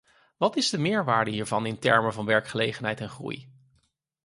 Wat is de meerwaarde hiervan in termen van werkgelegenheid en groei?